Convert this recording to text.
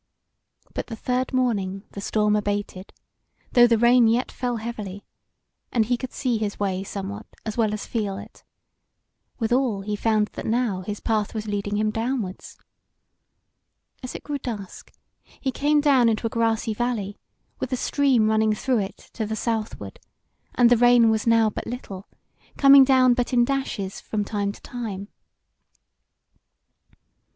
But the third morning the storm abated, though the rain yet fell heavily, and he could see his way somewhat as well as feel it: withal he found that now his path was leading him downwards. As it grew dusk, he came down into a grassy valley with a stream running through it to the southward, and the rain was now but little, coming down but in dashes from time to time.